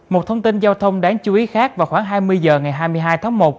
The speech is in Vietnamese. một thông tin giao thông đáng chú ý khác vào khoảng hai mươi h ngày hai mươi hai tháng một